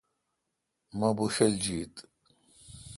مہ بوݭل جیت۔